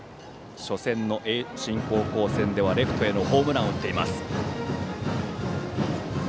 初戦の盈進高校戦ではレフトへのホームランを打っています。